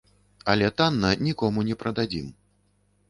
Але танна нікому не прададзім.